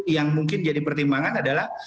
yang mungkin jadi pertimbangan adalah